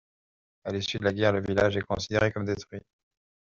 À l'issue de la guerre, le village est considéré comme détruit.